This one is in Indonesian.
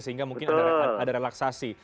sehingga mungkin ada relaksasi